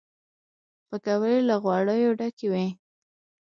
پکورې له غوړیو ډکې وي